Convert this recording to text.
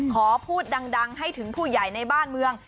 ขอพูดดังให้ถึงผู้ใหญ่ในบ้านเมือง